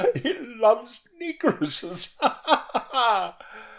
He loves negresses! Ha, ha, ha!"